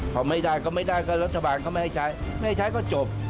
พอไม่ได้ก็ไม่ได้ก็รัฐบาลก็ไม่ให้ใช้ไม่ให้ใช้ก็จบ